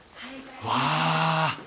うわ。